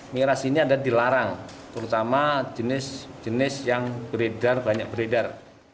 miras ini ada dilarang terutama jenis jenis yang beredar banyak beredar